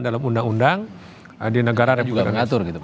dalam undang undang di negara republik